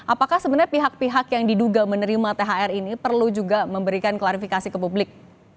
apakah sebenarnya pihak pihak yang diduga menerima thr ini perlu juga memberikan klarifikasi ke publik